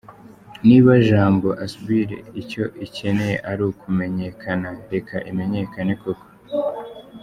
Niba Jambo Asbl icyo ikeneye ari ukumenyekana, reka imenyekane koko.